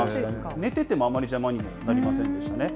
寝ててもあまり邪魔にもなりませんでしたね。